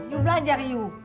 you belajar hiu